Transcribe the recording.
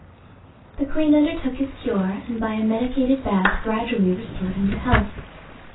The queen undertook his cure, and by a medicated bath gradually restored him to health.